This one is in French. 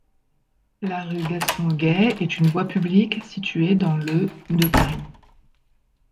La rue Gaston-Auguet est une voie publique située dans le de Paris.